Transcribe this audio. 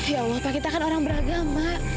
ya allah pak kita kan orang beragama